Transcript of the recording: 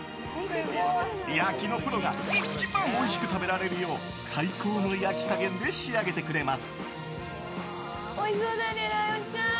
焼きのプロが一番おいしく食べられるよう最高の焼き加減で仕上げてくれます。